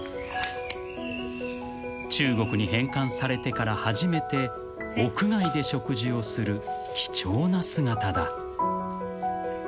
［中国に返還されてから初めて屋外で食事をする貴重な姿だ］